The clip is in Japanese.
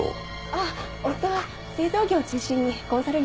ああ夫は製造業を中心にコンサル業をしてて。